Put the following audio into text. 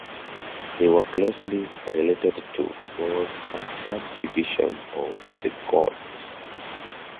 They were closely related to, or a subdivision of, the Goths.